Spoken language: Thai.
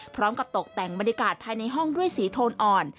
ตกแต่งบรรยากาศภายในห้องด้วยสีโทนอ่อน